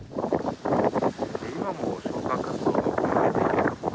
今も消火活動が行われています。